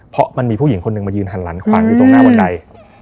เพราะว่ามันมีผู้หญิงคนหนึ่งยืนหันรันควังอยู่ตรงหน้าบนใด